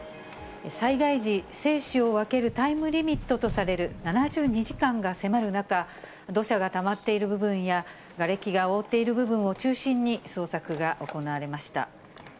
災害時、生死を分けるタイムリミットとされる７２時間が迫る中、土砂がたまっている部分や、がれきが覆っている部分を中心に捜索が行われました。